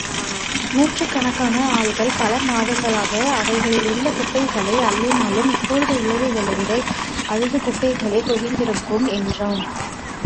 நூற்றுக்கணக்கான ஆள்கள் பல மாதங்களாக அவைகளிலுள்ள குப்பைகளை அள்ளினாலும், இப்பொழுதுள்ளவைகளை விட அதிகக் குப்பைகளே குவிந்திருக்கும்! என்றான்.